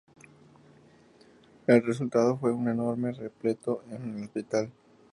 El resultado fue un enorme repleto en el hospital.